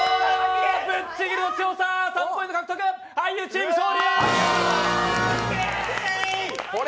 ぶっちぎりの強さ、３ポイント獲得俳優チーム、勝利！